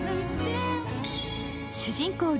主人公